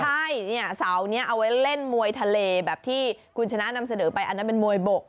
ใช่เนี่ยเสานี้เอาไว้เล่นมวยทะเลแบบที่คุณชนะนำเสนอไปอันนั้นเป็นมวยบก